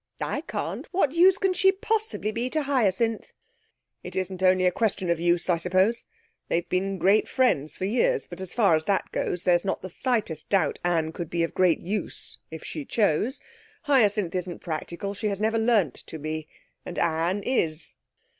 'I can't. What use can she possibly be to Hyacinth?' 'It isn't only a question of use, I suppose. They've been great friends for years, but as far as that goes, there's not the slightest doubt Anne could be of great use if she chose. Hyacinth isn't practical, and has never learnt to be, and Anne is.'